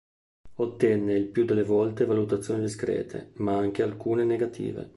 Ottenne il più delle volte valutazioni discrete, ma anche alcune negative.